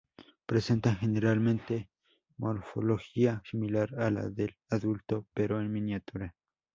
Presentan generalmente morfología similar a la del adulto pero en miniatura.